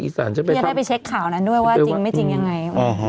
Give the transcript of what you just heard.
ที่จะได้ไปเช็คข่าวนั้นด้วยว่าจริงไม่จริงยังไง